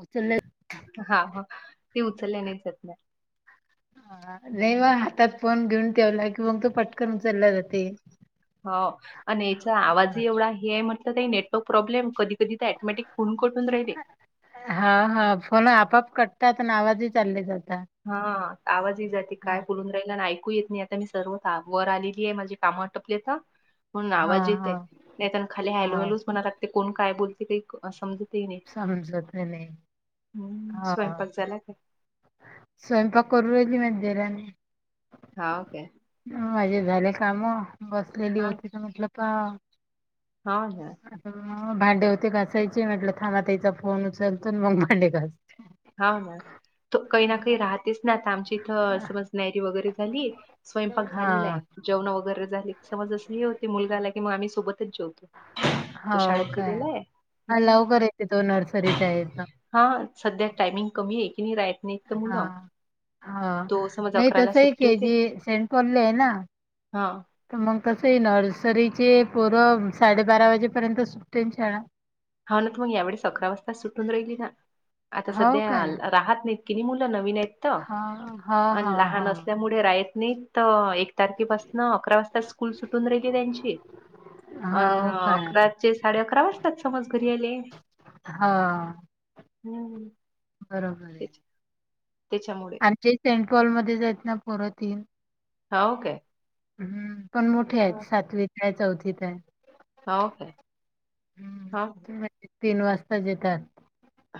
उचलल्या हा ह ते उचलल्या नाही जातणार. नाही वा हातात फोन घेऊन ठेवला कि मग तो पटकनचलला जाते. हो आणि येचा आवाज हा एवढा हे म्हटलं का नेटवर्क प्रॉब्लेम कधी कधी ते ऑटोमॅटिक फोन कट होवून राहिले हा हा, [unintelligible] हा आवाजही जाते हा काय बोलून राहिलं ना ऐ कू येत नाही आता मी सर्व काम वर आलेली आहे माझे कामं आटपलेत हं ण हा आवाज हा येते नाहीत आता खाली हॅलो हॅलो हा, च म्हणाय लागतेय कोण काय बोलते ते काही समज समझोतले स्वयंपाक झाला का स्वयंपाक करू रहिली मध्ये आणि हा ओके माझे झाले काम बसलेली होती तर म्हटलं पा हा हा आता भांडे होते घासायचे म्हटलं थांब आता हिचा फोन उचलतो मग भांडे घासते. हा हा तू कही ना कही राहतेस ना आता आमच्या तिथ [inaudible] वगैरे झाली स्वयंपाक झालेला हा आहे जेवण वगैरे समज हो मुलगाला की मग आम्ही सोबतच जेवतो तो हो शाळेत काय गेलेला हा आहे लवकर येते तो नर्सरीत आहे तो हा सध्या ट अणि कमी आहे की नाही राहत नाहीत तर मुलं हा. हा तो समज नाही ला तस आहे सुट्टी क होते. जे सेट पल्ले हे ना हां. तर मग कसं येणारर् सरीचे पोरं साडेबारा वाजेपर्यंत सुटेन शाळा हा ना तू मग यावेळेस अकरा वाजता सुटून राहिली ना आता हो सध्या काय? राहत नाही-' मुलं नवीन आहेत हा हा हा लहान असल्यामुळे रात नाही एक तारखे बसन अकरा वाजता स्कूल सुटून राहिली त्यांची हा अन् हो काय? अकराचे साडे अकरा वाजताात घरी आले हा हम् बरोबर आहे आमचे सेंट हॉलमध्ये च हायत ना पोरं तीन हा ओ काे हम्म पण मोठे आहेत सातवीत आहे चौथीत आहे हो का हम्म हा ते म्हणजे तीन वाजता जेतात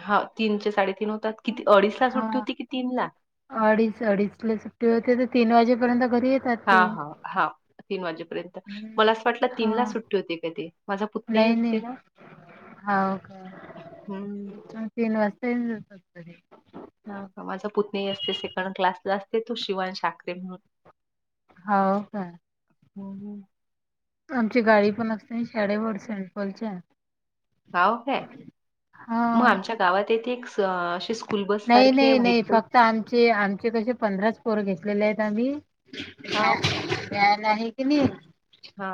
हा तीन साडे होतात किती अडीच ला सुट्टी हा होती कि तीन ला अडीच अडीचला सुट्टी होते तर तीन वाजेपर्यत हा हा हा तीन वाजेपर्यंत हम्म मला असं वाटलं हा तीन ला सुट्टी होते का ते माझा पुतनीही असते ना हा हो हम्म. का तीन वाजता ये ज हा माझा पुतनी असते सेकंड क्लासला असते तू शिवान ठाकरे म्हणून हा हो का आमची गाडी पण असते शाळे वर सेंट्रॉलच्या गाव ह मग आमच्या गावात येथे श नाही नाही नाही फक्त आमचे आमचे कसे पंधराच पोर घेतलेले आहेत आम्ही हाव काय प्याला आहे की नाही हा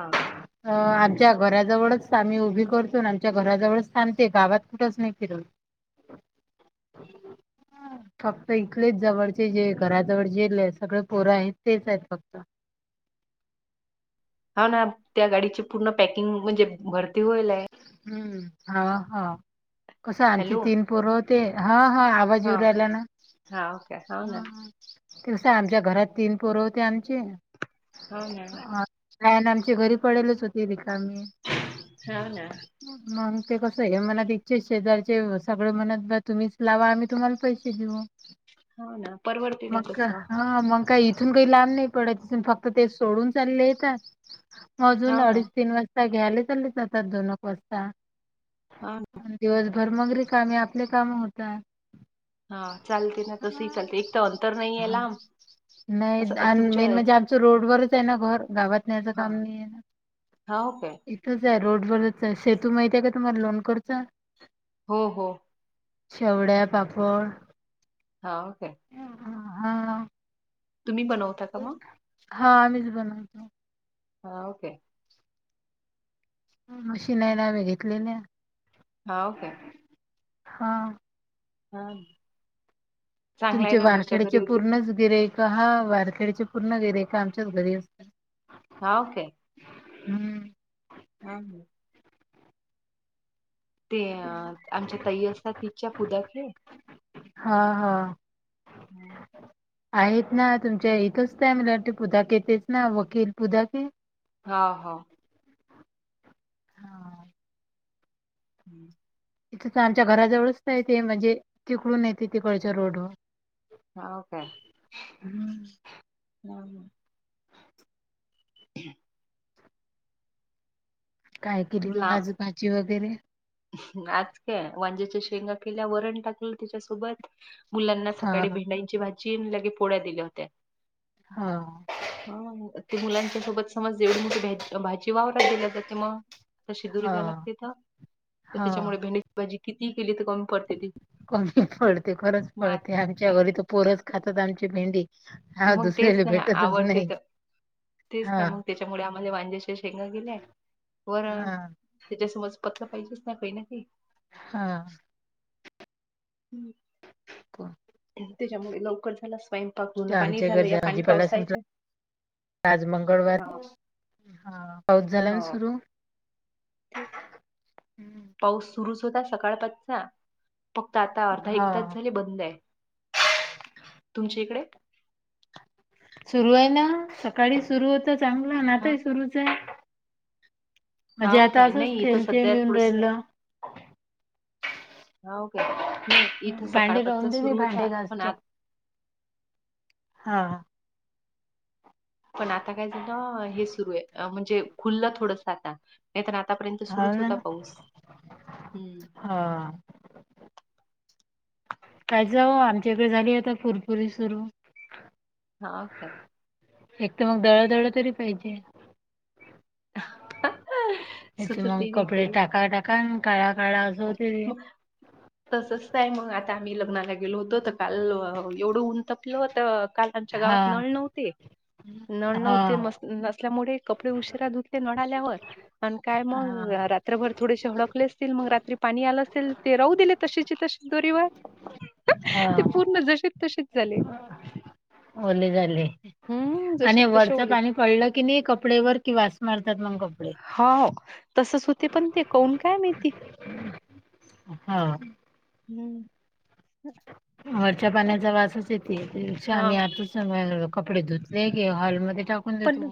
अ आमच्या घराजवळच आम्ही उभी करतो न आमच्या घराजवळच थांबते गावात कुठंच नाही फिरत [unintelligible] फक्त इथलेच जवळचे जे घराजवळ जे सगळे पोरं आहेत तेच आहेत फक्त [unintelligible] त्या गाडीची पूर्ण पॅकिंग म्हणजे भरती होईल आहे हम्म हा हा कसं आमचे हॅलो. तीन पोर होते हा हा आवाज येऊरा आला ना का हो ना तेवस आमच्या घरात तीन पोर होते आमचे होना का आणि आमच्या घरी पडेलच होती रिकामी हाव ना, मग ते कसं आहे मनात इच्छा शेजारचे सगळं म्हणत ब तुम्हीच लावा आम्ही तुम्हाला पैसे देऊ हाव ना. परवडते ना मग तसं. हा मग काही इथून काही लांब नाही पडत तिथून फक्त ते सोडून चालले आहेता का म अजून हाव ना, अडीच तीन वाजता घ्यायला चाले जातात दोनक वाजता हाव ना. दिवसभर मंगरी कामे आपले काम होत हा चालते ना तसं चालते एक तर अंतर नाही आहे लांब नाही असं आणि तुमच्या मेन म्हणजे आमचं रोडवरच आहे ना घर गावात न्यायचं काम नाही आहे ना हा ओ काे रोड वरच सेतू माहित आहे का तुम्हाला लोन करचा? हो हो. शेवड्या पापड हा ओके. हा हा. तुम्ही बनवता का मग हा आम्हीच बनवतो. हा ओके मशीन आहे ना आम्ही घेतलेल्या हां, ओके. हा हा तुमचे वारखेडचे पूर्णच गिरेक हा वारखेडीच्या पूर्ण गिराईक आमच्याच घरी असतात हा ओके हम्म हम ते आमच्या ताई असतात तीच्या पुढातले हा हा आहेत ना तुमच्या इथच त्या का मला वाट पुधाक येतच ना वकील पुधाके हा हा. हा हम्म. इथं तर आमच्या घराजवळच आहे ते म्हणजे तिकडून येते तिकडच्या रोड वर हो काय? हम्म. हा हा [inaudible] ह काय केली मग लांब आज भाजी वगैरे? आज काय वांज्याच्या शेंगा केल्या वरण टाकलं तिच्यासोबत मुलांना सकाळी हा भेंडईंची भाजी लगे पोळ्या दिल्या होत्या हा ह ते मुलांच्या सोबत समज एवढी मोठी भाजी वावरात दिल्या जाते मग आता शिदोरी हा द्यावि लागते हा त्याच्यामुळे भेंडीची भाजी किती केली तर कमी पडते ती कमी पडते खरंच मग आ- पडते आमच्या घरी तो पोरच खातात आमची भेंडी हा मग तेच दुसऱ्याला नाही भेटतच आवडते नाही तर तेच हा ना मग त्याच्यामुळे आम्हाला वांज्याचे शेंग गेलेय वरण हा त्याच्यासमज पतलं पाहिजेच नाही पहिलं ते हा. हम्म [unintelligible] क [unintelligible] त्याच्यामुळे लवकर झाला, स्वयंपाक जुनं पाणी आमच्या घर झालं, या पाणी भाजीपाला संपला पावसाचे. आज मंगळवार हा पाऊस झाला ना हो सुरू. [unintelligible] पाऊस सुरूच होता सकाळ पाचचा फक्त आता, अर्धा एक तच हा झाली बंद आहे. तुमच्या इकडे. सुरू आहे ना सकाळी सुरू होत, चांगलं हा आताही सुरूच आहे. म्हणजे हा आता का असंच नाही इथं थेंब सध्या थेंब येऊन थोडस. राहिलं हा के नाही इथं भांडे राहून सकाळपचचाच दे मी सुरू होता भांडे पण घासतो आज. हा. पण आता काय झालं हे सुरू आहे, म्हणजे खुललं थोडस आता. नाही तर आतापर्यंत हा सुरुच ना होता, पाऊस हम्म. [inaudible] हा काय जाव आमच्या इकडे झाली, आता पुरपुरी सुरू. हाओक. एक तर मग दळदळ तरी पाहिजे. हथ मग सुचतही कपडे टाका टाका काळा. असं होते ते तसचय मग आ. म्ही लग्नाला गेलो होतो, तर काल एवढं ऊन तपल तर. काल आमच्या गावात हां नळ नव्हते. नळ हां नव्हतेस नसल्यामुळे, कपडे उशीरा धुतले नळ आल्यावर आणि काय हां मग. रात्रभर थोडेसे हडकले असतील, मग रात्री पाणी आला असेल ते राह दिले तशीचे तशी दोरीवर. ते हां पूर्ण जसेच तशीच झाले. ओले झाले हम्म जशी आणि तसे वरचं ओले पाणी पडलं की नाही, कपडेवरर किंवा. हा तसच होते पण ते कौन काय मेहती. हा. हम्. वरच्या पाण्याचा वासच येते, त्यापेक्षा हा आम्ही आतच. कपडे धुतले की हॉलमध्येध्ये टाकून देतो.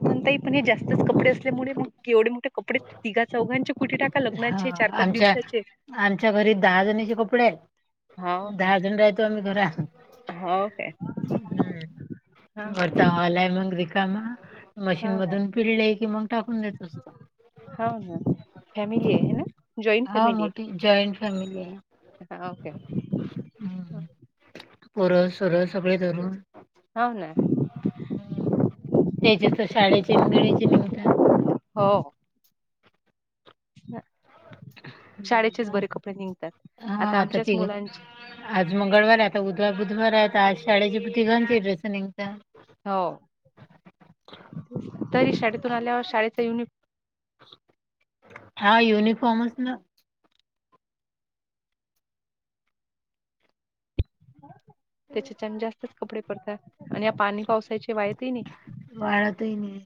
कोणताही पण हे जास्तच कपडे असल्यामुळे, मग एवढे मोठे कपडे तिघा चौघांचे. कुठे टाका हा लग्नाचे चार पाच आमच्या दिवसाचे आमच्या घरी दहा जणचे कपडे आहेत. हो काय दहा जण राहतो आम्ही घरा. हो काय हम्म हा हो वरतावालाय मंग र कामा. मशीन ना मधून पिळले कि मग टाकून द्यायेत असत. हो ना फॅमिली हम् आहे ना जॉईंट हा फॅमिली मोठी जॉईंट फॅमिली आहे. आहे ओके हा [unintelligible] पोरस सुरस सगळे धरून. हो ना त्याच्या तर शाळेचे गिळेचे निमत. हो. शाळेचेच हम्म. बरे कपडे निघतात, हा आता आमच्याच तिघ मुलांचे. आज मंगळवार आता उद्या बुधवार आहे, आता आज शाळेचीती घांची ड्रेसनिंग. हो तरी शाळेतून आल्यावर शाळेचा युनिफर् हा युनिफॉर्मच ना. त्याच्याच्यान जास्तच कपडे पडत्या. आणि या पाणी पावसाची वायतई नई वाळतही नाही.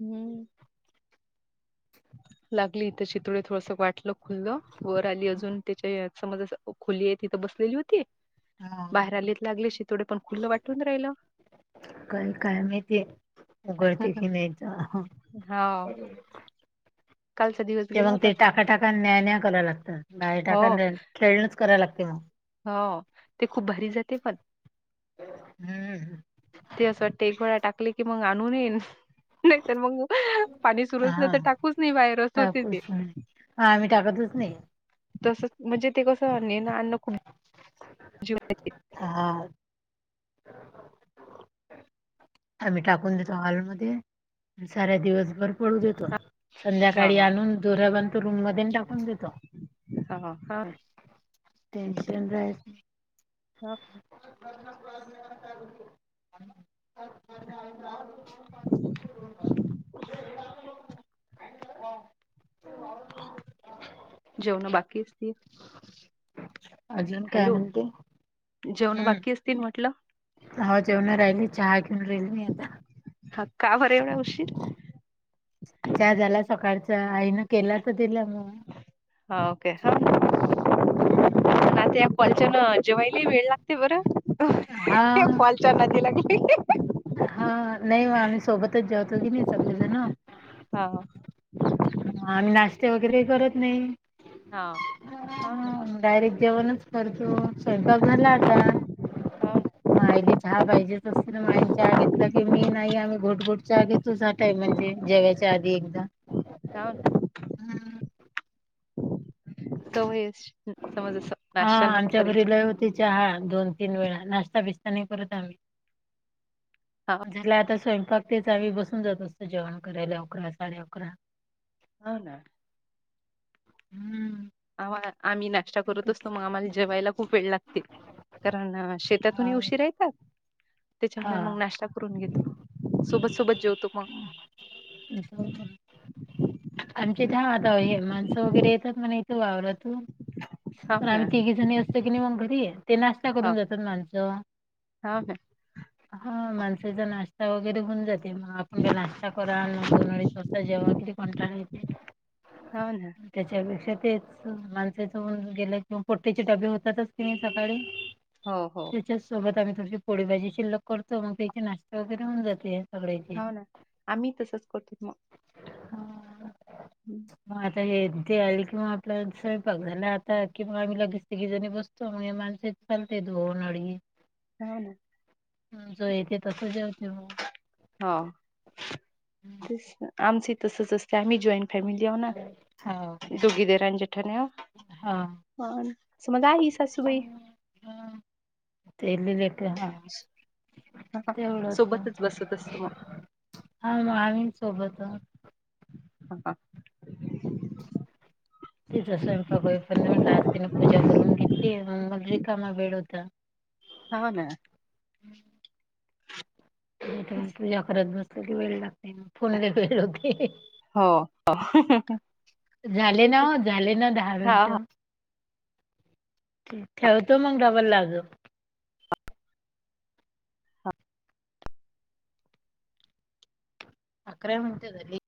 हम्म. [unintelligible] लागली इथं चितुळे थोडस, वाटलं खुलं वर आली, अजून त्याच्या समज खोली आहे तिथं. बसलेली होती हा बाहेर आलीत लागले, शीथोडे पण खुलं वाटून राहिलं. कायणु काय माहिती उघडते की नाही तो हा [inaudible] कालचा दिवस ते गेला मग ते होता चांग टाका टाका न्या न्या कराव लागतात बायर हो टाका खेळणंच कराय लागत म. हो ते खूप भारी जाते पण हम्म ते असं वाटते एक वेळा टाकले की मग आणू नयेन. नाही तर मग पाणी सुरू हा असंलं तर टाकूच नये बाहेर असं होते तेे. मी टाकतच नाही. तसं म्हणजे ते कसं नेणं अन्न कु हा आम्ही टाकून देतो हॉलमध्ये आणि साऱ्या दिवस भर घर पडू देतो हां, संध्याकाळी आणून जोरा बनतो रूम मध्ये आणि टाकून देतो. हा हा टेन्शन रायत हां. [unintelligible] [unintelligible] जेवण बाकी असतील. अजून काय हॅलो, म्हणते? जेवण बाकी असतील म्हटलं? हा जेवण राहिली चहा घेऊन राहिली मी आता. हा का बर एवढा उशीर. चहा झाला सकाळचां आईनं केला त दिला म. हा ओके ह [unintelligible] ना त्या फॉलच्यान जेवायीला वेळ लागते बरं हा फॉलच्या नादी लागली. हा नाही म आम्ही सोबतच जेवतो की नई सगळेजण हां, आम्ही नाश्ते वगैरे करत नाही हां, हां ना, हं डायरेक्ट जेवणच करतो. स्वयंपाक झाला आता. हां ना, मं आयली चहा पाहिजेच असते ना मा आईने चहा घेतला की मी न आई घोटघोट चहा घेतो ते म्हणजे जेवच्या आधी एकदा हो ना. सवय अशी समज असं हा नाश्ता नको आमच्या घरी करायची. लय होती चहा. दोन तीन वेळा नाश्ता बिस्ता नाय करत आम्ही हां, झाला आता स्वयं फक तेच आम्ही बसून जात असतो जेवण करायला अकरा साडे अकरा हो ना. हम्म आवा आम्ही नाश्ता करत असतो. म आम्हाला जेवायला खूप वेळ लागते. कारण शेतातून ई हा उशीर येतात. हा त्याच्यामुळे मग नाश्ता करून घेतो सोबत सोबत जेवतो मग. आमच्या इथ हा आता हे माणस वगैरे येतात कणय इथ वावररांतुनं हाव तर ना आम्ही तिघी जणी असतो की नाय मग घरी. ते नाश्ता हाव करून जातात माणसं हाव ना हा माणसाचा नाश्ता चहा वगैरे होऊन जातेमग आपण का नाश्ता. तर आण मं दोन अडीच वाजता जेवा किती कंटाळा येतोय हाव ना त्याच्या पेक्षा तेच माणसाच होऊन गेल की मं पोट्ट्याचे डबे होतातच की सकाळी हो हो त्याच्याचं सोबत आम्ही थोडीशी पोळी भाजी शिल्लक करतो मग त्याची नाश्ता वगैरे होवून जाते. सगळयाची हाव ना आम्ही तसंच करतोत मग हा. हं. मग आता हे ते आली किंवा आपल्याला स्वयंपाक झाला आता कि आम्ही लगेच ती जणी बसतो माणसे येतात दोन अडीच हा ना जो येते तसं जेवते मग आमचं तसंच असतं त्या जॉईंट फॅमिली आव ना हो काय दुघे दीर आणि जेठाणी हा हा असं मग आहे सासूबाई तेघे लेक हा हां, हां. तेवढंच ना सोबतच बसत असतो मग हा म आम्ही सोबत आहे. हा हा त्याचा स्वयंपाक होईपर्यंत तिने पूजा करून घेतली मग रिकामा वेळ होता हा ना. हम्म. मी पण तेच. पूजा करत बसली की वेळ लागतेग फोनला वेळ होते. हो झाले ना झाले ना दहा हा मिनिट हा ठेवतो मग डबल लाग अकरा मिनिटे झाली.